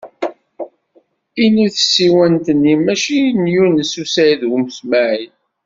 Inu tsiwant-nni, maci n Yunes u Saɛid u Smaɛil.